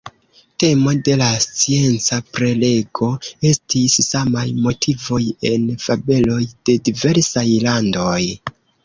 Temo de la scienca prelego estis: samaj motivoj en fabeloj de diversaj landoj.